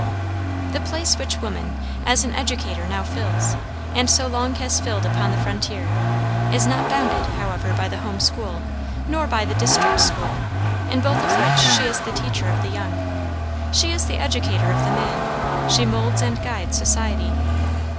The place which woman, as an educator, now fills, and so long has filled upon the frontier, is not bounded, however, by the home school, nor by the district school, in both of which she is the teacher of the young. She is the educator of the man. She moulds and guides society.